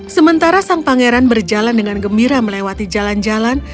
sementara sang pangeran berjalan dengan gembira melewati jalan jalan